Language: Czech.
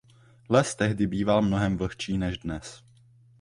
Les tehdy býval mnohem vlhčí než dnes.